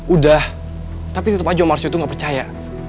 udah tapi tetep aja om arsya itu gak percaya